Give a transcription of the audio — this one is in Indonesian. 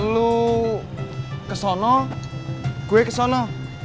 lu kesana gue kesana